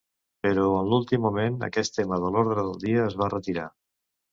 Però en l'últim moment, aquest tema de l'ordre del dia es va retirar.